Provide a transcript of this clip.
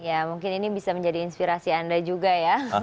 ya mungkin ini bisa menjadi inspirasi anda juga ya